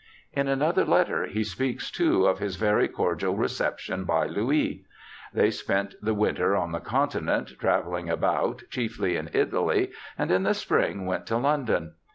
In another letter he speaks, too, of his very cordial reception by Louis. They spent the winter on the Continent, travelling about, chiefly in Italy, and in the spring went to London.